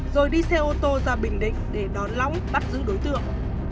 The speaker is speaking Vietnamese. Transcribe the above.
rồi đi xe ô tô ra bình định để đón lõng bắt giữ đối tượng